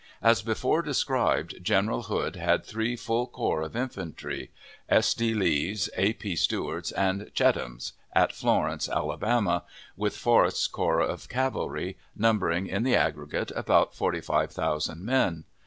As before described, General Hood had three full corps of infantry S. D. Lee's, A. P. Stewart's, and Cheatham's, at Florence, Alabama with Forrest's corps of cavalry, numbering in the aggregate about forty five thousand men.